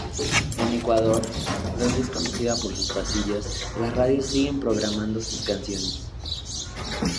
En Ecuador, donde es conocida por sus pasillos, las radios siguen programando sus canciones.